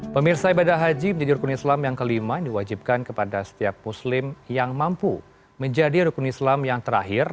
pemirsa ibadah haji menjadi rukun islam yang kelima yang diwajibkan kepada setiap muslim yang mampu menjadi rukun islam yang terakhir